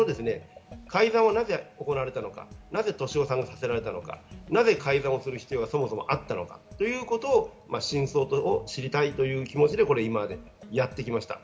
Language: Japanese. その辺の改ざんはなぜ行われたのか、なぜ俊夫さんがさせられたのか、なぜ改ざんする必要がそもそもあったのかということを真相を知りたいという気持ちで今やってきました。